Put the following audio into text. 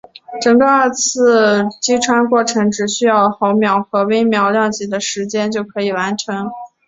整个二次击穿过程只需要毫秒或微秒量级的时间就可以完成。